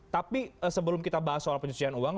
tapi sebelum kita bahas soal pencucian uang